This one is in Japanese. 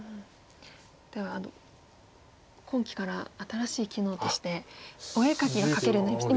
では今期から新しい機能としてお絵描きが描けるようになりました。